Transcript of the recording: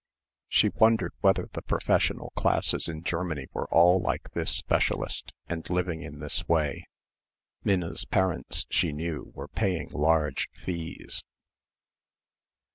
She wondered whether the professional classes in Germany were all like this specialist and living in this way. Minna's parents she knew were paying large fees.